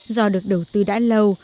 do được đầu tư đã lâu